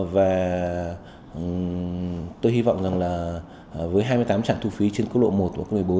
và tôi hy vọng rằng với hai mươi tám trạng thu phí trên cấp lộ một và cấp lộ một mươi bốn